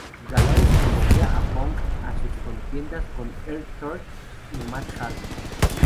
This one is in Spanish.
Gallows ayudaría a Punk en sus contiendas con R-Truth y Matt Hardy.